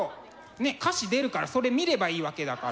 ねえ歌詞出るからそれ見ればいいわけだから。